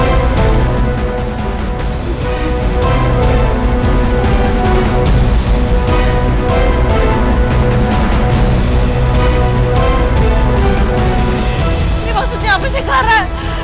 ini maksudnya apa sih clara